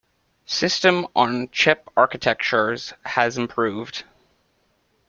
System on chip architectures has improved.